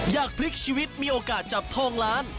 อยากพลิกชีวิตมีโอกาสจับทองล้าน